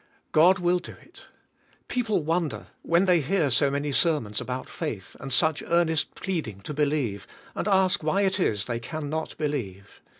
God will do it. People wonder, when they hear so many sermons about faith, and such earnest pleading to believe, and ask why it is they can not believe.